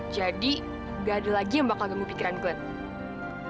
jadi nggak ada lagi yang bakal ganggu pikiran glenn